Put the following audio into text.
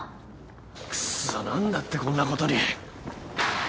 クッソ何だってこんなことに。